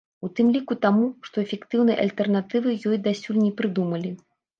У тым ліку таму, што эфектыўнай альтэрнатывы ёй дасюль не прыдумалі.